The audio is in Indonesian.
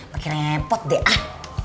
pakai repot deh ah